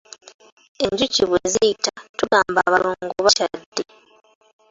Enjuki bwe ziyita tugamba abalongo bakyadde.